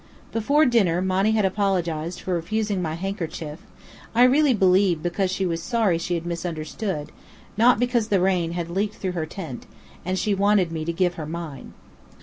Before dinner Monny had apologized for refusing my handkerchief, I really believe because she was sorry she had misunderstood, not because the rain had leaked through her tent, and she wanted me to give her mine.